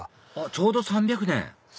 ちょうど３００年！